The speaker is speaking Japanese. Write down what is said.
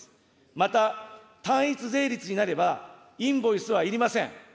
また、単一税率になれば、インボイスはいりません。